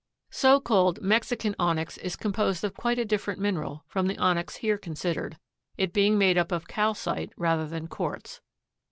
So called Mexican onyx is composed of quite a different mineral from the onyx here considered, it being made up of calcite rather than quartz.